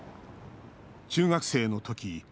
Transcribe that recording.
中学生のとき